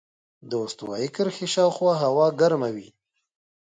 د استوایي کرښې شاوخوا هوا ګرمه وي.